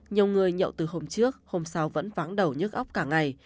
nhiều người nhậu từ hôm trước hôm sau vẫn vắng đầu nhức ốc cả ngày